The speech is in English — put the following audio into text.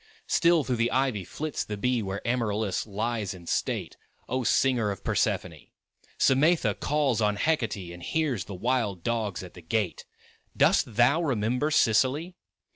Still through the ivy flits the bee Where Amaryllis lies in state; O Singer of Persephone! Simætha calls on Hecate And hears the wild dogs at the gate; Dost thou remember Sicily?